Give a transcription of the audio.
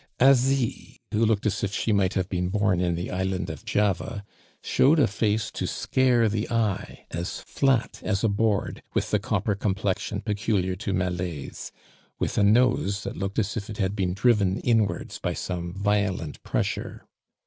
Asie, who looked as if she might have been born in the Island of Java, showed a face to scare the eye, as flat as a board, with the copper complexion peculiar to Malays, with a nose that looked as if it had been driven inwards by some violent pressure.